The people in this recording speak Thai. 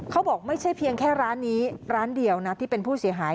เขาบอกไม่ใช่เพียงแค่ร้านนี้ร้านเดียวนะที่เป็นผู้เสียหาย